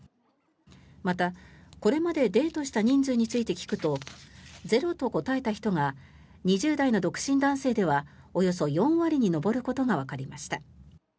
また、これまでデートした人数について聞くとゼロと答えた人が２０代の独身男性ではおよそ４割に上ることがわかりました。